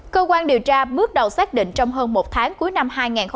cơ quan điều tra bước đầu xác định trong hơn một tháng cuối năm hai nghìn hai mươi ba